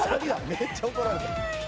「めっちゃ怒られた」